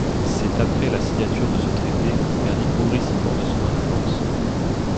C’est après la signature de ce traité qu'il perdit progressivement de son influence.